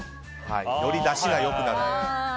よりだしが良くなる。